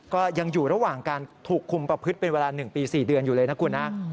ก็ยังอยู่ระหว่างการถูกคุมประพฤติเป็นเวลา๑ปี๔เดือนอยู่เลยนะคุณนะ